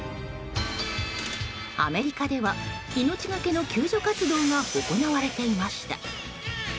アメリカでは命がけの救助活動が行われていました。